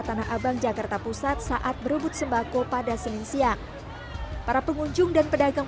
tanah abang jakarta pusat saat berebut sembako pada senin siang para pengunjung dan pedagang